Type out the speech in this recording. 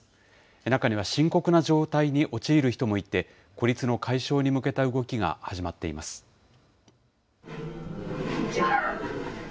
中には、深刻な状態に陥る人もいて、孤立の解消に向けた動きが始まっています。